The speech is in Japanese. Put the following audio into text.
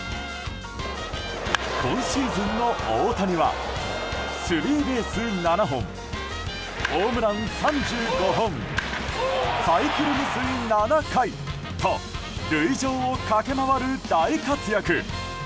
今シーズンの大谷はスリーベース７本ホームラン３５本サイクル未遂７回と塁上を駆け回る大活躍。